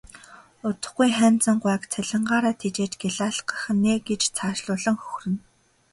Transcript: Удахгүй Хайнзан гуайг цалингаараа тэжээж гялайлгах нь ээ гэж цаашлуулан хөхөрнө.